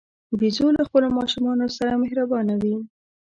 بیزو له خپلو ماشومانو سره مهربانه وي.